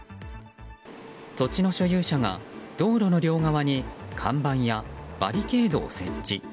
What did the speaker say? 土地の所有者が、道路の両側に看板やバリケードを設置。